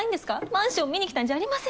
マンション見にきたんじゃありません。